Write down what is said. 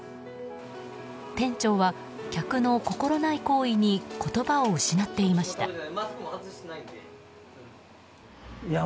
店長は客の心ない行為に言葉を失っていました。